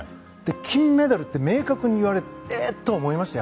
金メダルって明確に言われてえっと思いましたよ。